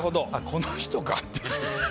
この人かっていう。